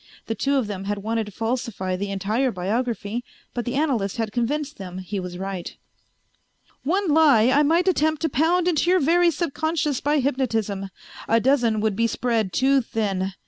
The two of them had wanted to falsify the entire biography, but the analyst had convinced them he was right. "One lie I might attempt to pound into your very subconscious by hypnotism; a dozen would be spread too thin.